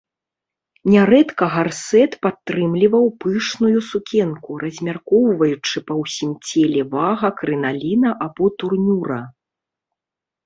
Нярэдка гарсэт падтрымліваў пышную сукенку, размяркоўваючы па ўсім целе вага крыналіна або турнюра.